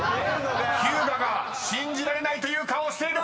［ひゅうがが信じられない！という顔をしている］